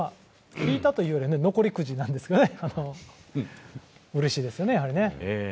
引いたというよりは、残りくじなんですけど、うれしいですよね